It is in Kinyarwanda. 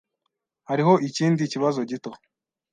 Hariho ikindi kibazo gito.